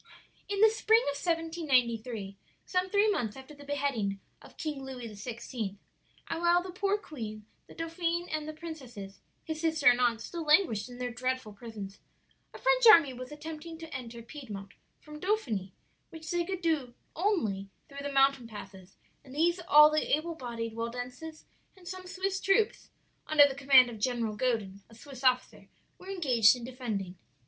"In the spring of 1793 some three months after the beheading of King Louis XVI. and while the poor queen, the dauphin and the princesses, his sister and aunt, still languished in their dreadful prisons a French army was attempting to enter Piedmont from Dauphiny, which they could do only through the mountain passes; and these all the able bodied Waldenses and some Swiss troops, under the command of General Godin, a Swiss officer, were engaged in defending.